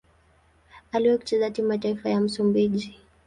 Aliwahi kucheza timu ya taifa ya Msumbiji.